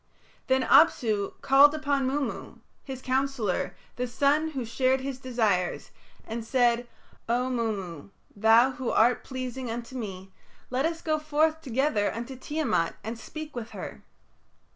Then Apsu called upon Mummu, his counsellor, the son who shared his desires, and said, "O Mummu, thou who art pleasing unto me, let us go forth together unto Tiamat and speak with her."